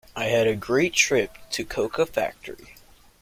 I had a great trip to a cocoa factory.